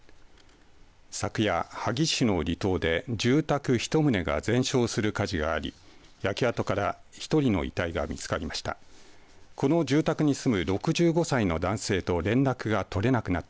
昨夜、萩市の離島で住宅１棟が全焼する火事があり焼け跡から１人の遺体が見つかりました。